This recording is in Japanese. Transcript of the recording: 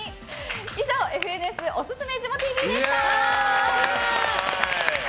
以上ＦＮＳおすすめジモＴＶでした。